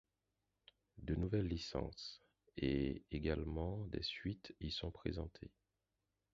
De nouvelles licences et également des suites y sont présentées.